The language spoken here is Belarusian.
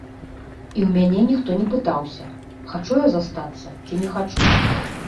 І ў мяне ніхто не пытаўся, хачу я застацца ці не хачу.